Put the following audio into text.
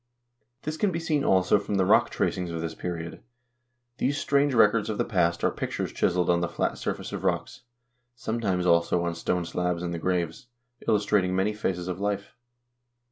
This can be seen also from the rock tracings of this period. These strange records of the past are pictures chiseled on the flat surface of rocks, sometimes, also, on stone slabs in the graves, illus trating many phases of life.